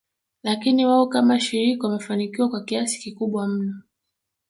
Lakini wao kama shirika wamefanikiwa kwa kiasi kikubwa mno